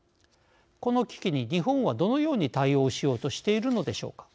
この危機に日本はどのように対応しようとしているのでしょうか。